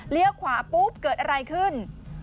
เลี้ยวขวาปุ๊บเกิดอะไรขึ้น